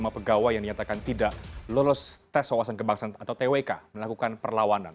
tujuh puluh lima pegawai yang nyatakan tidak lolos tes soalsan kebangsaan atau twk melakukan perlawanan